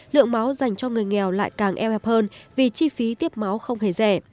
lượng máu dành cho người nghèo lại càng eo hẹp hơn vì chi phí tiếp máu không hề rẻ